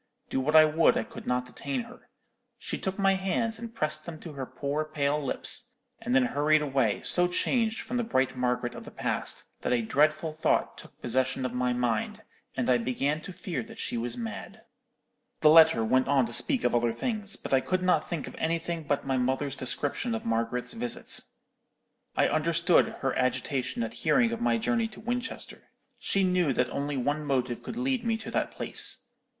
Do what I would, I could not detain her. She took my hands, and pressed them to her poor pale lips, and then hurried away, so changed from the bright Margaret of the past, that a dreadful thought took possession of my mind, and I began to fear that she was mad.'_ "The letter went on to speak of other things; but I could not think of anything but my mother's description of Margaret's visit. I understood her agitation at hearing of my journey to Winchester. She knew that only one motive could lead me to that place.